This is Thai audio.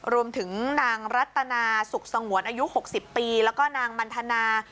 รวมถึงนางรัตนาสุขสงวนอายุ๖๐ปีแล้วก็นางมันทนา